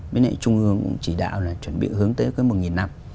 bến đệ trung ương cũng chỉ đạo chuẩn bị hướng tới một năm